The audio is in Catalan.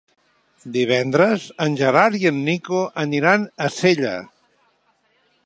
Divendres en Gerard i en Nico aniran a Sella.